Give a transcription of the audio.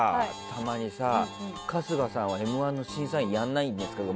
たまに、春日さんは「Ｍ‐１」の審査員をやらないんですかって